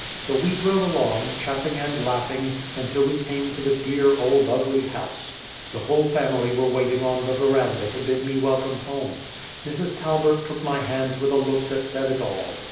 So we drove along, chaffing and laughing, until we came to the dear, old, ugly house. The whole family were waiting on the veranda to bid me welcome home. Mrs. Talbert took my hands with a look that said it all.